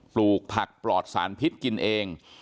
ปลูกผักปลอดสารพิษกินเอง